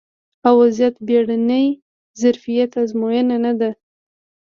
ا وضعیت د بیړني ظرفیت ازموینه نه ده